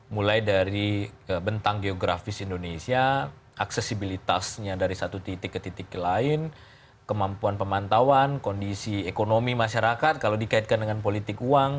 mulai dari bentang geografis indonesia aksesibilitasnya dari satu titik ke titik lain kemampuan pemantauan kondisi ekonomi masyarakat kalau dikaitkan dengan politik uang